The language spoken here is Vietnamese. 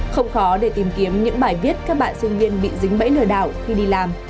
không khó để tìm kiếm những bài viết các bạn sinh viên bị dính bẫy lừa đảo khi đi làm